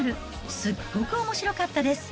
すっごくおもしろかったです。